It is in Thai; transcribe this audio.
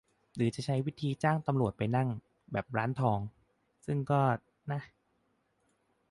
หรือจะใช้วิธีจ้างตำรวจไปนั่ง แบบร้านทอง ? ซึ่งก็ นะ